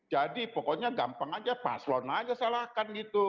jadi pokoknya gampang aja paslon aja salahkan gitu